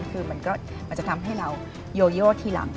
คือมันก็จะทำให้เราโยโย่ที่ลำ